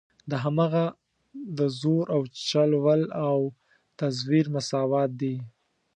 دا هماغه د زور او چل ول او تزویر مساوات دي.